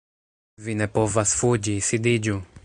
Vi ne povas fuĝi, sidiĝu